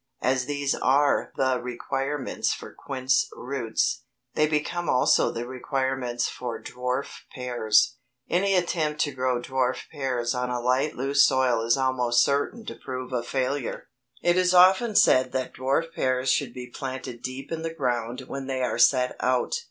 As these are the requirements for quince roots, they become also the requirements for dwarf pears. Any attempt to grow dwarf pears on a light loose soil is almost certain to prove a failure. [Illustration: FIG. 31 PYRAMID PEARS IN A GERMAN ORCHARD] It is often said that dwarf pears should be planted deep in the ground when they are set out.